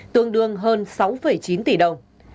tương đương hơn sáu chín tỷ đồng